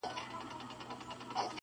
اووم دوږخ دي ځای د کرونا سي--!